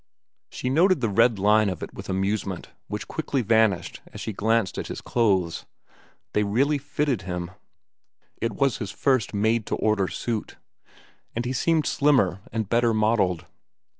She noted the red line of it with amusement which quickly vanished as she glanced at his clothes. They really fitted him,—it was his first made to order suit,—and he seemed slimmer and better modelled.